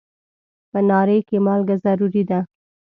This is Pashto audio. په ناري کې مالګه ضروري ده.